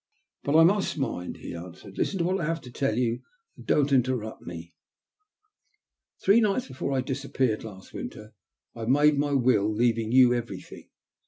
But I must mind," he answered. " Listen to what I have to tell you, and don't interrupt me. Three nights before I disappeared last winter, I made my will, leaving you everything.